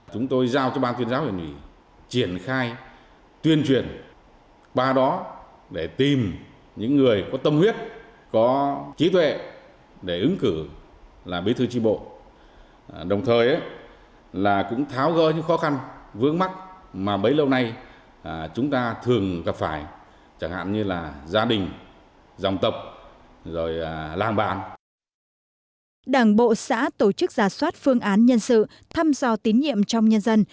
đảng bộ xã tổ chức giả soát phương án nhân sự thăm dò tín nhiệm trong nhân dân